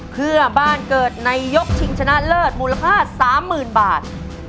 เพื่อบ้านเกิดในยกชิงชนะเลิศมูลค่า๓๐๐๐บาท